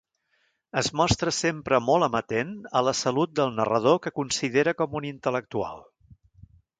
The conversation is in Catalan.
Es mostra sempre molt amatent a la salut del narrador que considera com un intel·lectual.